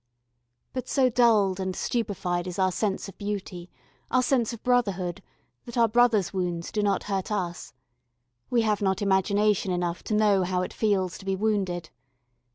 But so dulled and stupefied is our sense of beauty, our sense of brotherhood, that our brother's wounds do not hurt us. We have not imagination enough to know how it feels to be wounded.